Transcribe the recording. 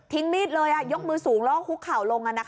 ทิ้งมีดเลยยกมือสูงแล้วคลุกเข่าลง